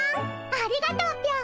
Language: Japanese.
ありがとうぴょん。